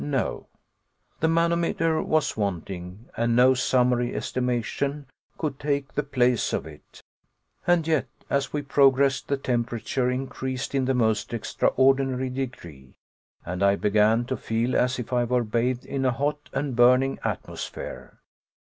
No. The manometer was wanting, and no summary estimation could take the place of it. And yet, as we progressed, the temperature increased in the most extraordinary degree, and I began to feel as if I were bathed in a hot and burning atmosphere.